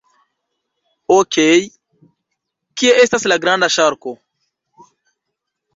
Okej, kie estas la granda ŝarko?